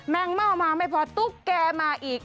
งเม่ามาไม่พอตุ๊กแกมาอีก